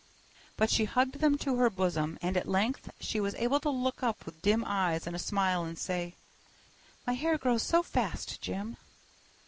But she hugged them to her bosom, and at length she was able to look up with dim eyes and a smile and say: "My hair grows so fast, Jim!"